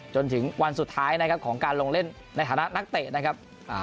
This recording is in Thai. จนถึงวันสุดท้ายนะครับของการลงเล่นในฐานะนักเตะนะครับ